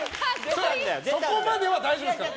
そこまでは大丈夫ですから。